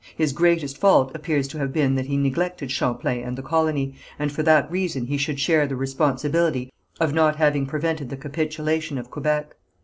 His greatest fault appears to have been that he neglected Champlain and the colony, and for that reason he should share the responsibility of not having prevented the capitulation of Quebec.